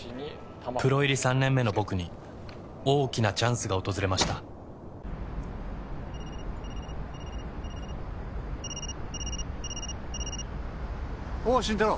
プロ入り３年目の僕に大きなチャンスが訪れました・おぉ慎太郎